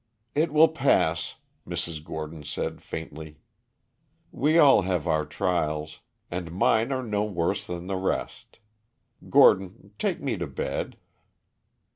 "It will pass," Mrs. Gordon said faintly. "We all have our trials; and mine are no worse than the rest. Gordon, take me to bed."